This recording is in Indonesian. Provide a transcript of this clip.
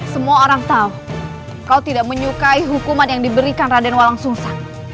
semua orang tahu kau tidak menyukai hukuman yang diberikan raden walang sungsa